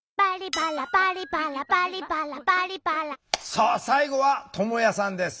さあ最後はともやさんです。